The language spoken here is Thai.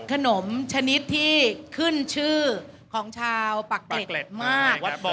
ขนมชนิดที่ขึ้นชื่อของชาวปากเกร็ดมาก